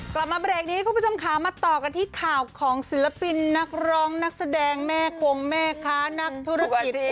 กลับมาเบรกนี้คุณผู้ชมค่ะมาต่อกันที่ข่าวของศิลปินนักร้องนักแสดงแม่คงแม่ค้านักธุรกิจ